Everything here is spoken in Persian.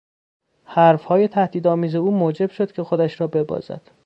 حرفهای تهدید آمیز او موجب شد که خودش را ببازد.